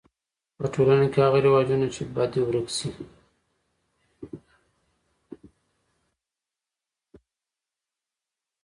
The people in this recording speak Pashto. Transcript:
په ټولنه کی هغه رواجونه چي بد دي ورک سي.